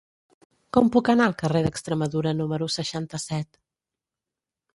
Com puc anar al carrer d'Extremadura número seixanta-set?